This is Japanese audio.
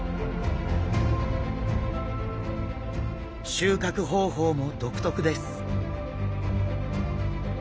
収穫方法も独特です。